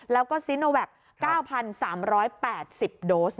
แล้วก็ซีโนแวค๙๓๘๐โดส